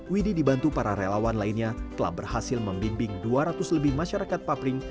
widi dibantu para relawan lainnya telah berhasil membimbing dua ratus lebih masyarakat papring